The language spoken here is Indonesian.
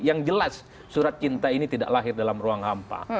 yang jelas surat cinta ini tidak lahir dalam ruang hampa